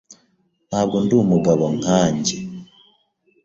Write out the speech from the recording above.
Ntabwo ndi umugabo nkanjye.